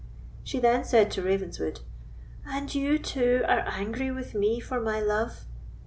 She then said to Ravenswood: "And you, too, are angry with me for my love?